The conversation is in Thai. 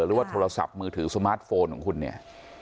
หรือว่าโทรศัพท์มือถือสมาร์ทโฟนของคุณเนี่ย